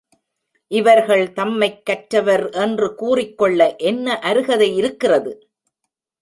இவர்கள் தம்மைக் கற்றவர் என்று கூறிக்கொள்ள என்ன அருகதை இருக்கிறது?